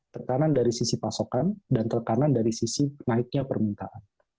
tekanan dari sisi pasokan dan tekanan dari sisi naiknya permintaan